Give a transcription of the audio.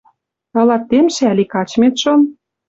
Ылат темшӹ ӓли качмет шон?